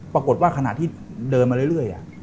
ปรากฏว่าขณะที่เดินมาเรื่อย